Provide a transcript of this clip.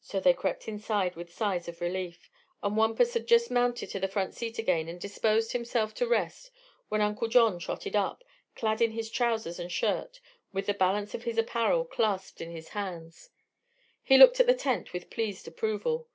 So they crept inside with sighs of relief, and Wampus had just mounted to the front seat again and disposed himself to rest when Uncle John trotted up, clad in his trousers and shirt, with the balance of his apparel clasped in his arms. He looked at the tent with pleased approval.